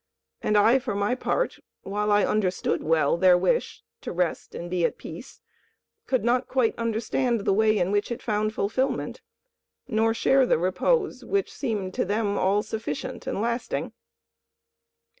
And I, for my part, while I understood well their wish to rest and be at peace, could not quite understand the way in which it found fulfilment, nor share the repose which seemed to them all sufficient and lasting.